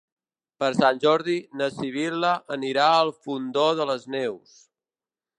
Per Sant Jordi na Sibil·la anirà al Fondó de les Neus.